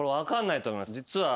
実は。